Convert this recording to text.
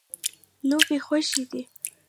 لوبې خوښې دي.